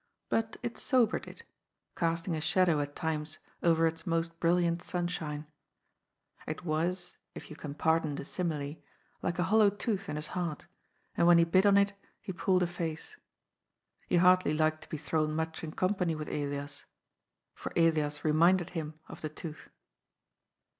But it sobered it, casting a shadow at times over its most brilliant sunshine. It was, if you can pardon the simile, like a hollow tooth in his heart, and when he bit on it he pulled a face. He hardly liked to be thrown much in company with Elias. For Elias reminded him of the tooth.